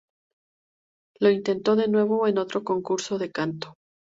Lo intentó de nuevo en otro concurso de canto.